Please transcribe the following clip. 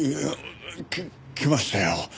き来ましたよ。